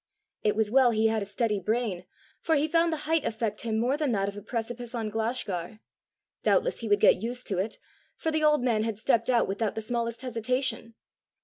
It was well he had a steady brain, for he found the height affect him more than that of a precipice on Glashgar: doubtless he would get used to it, for the old man had stepped out without the smallest hesitation!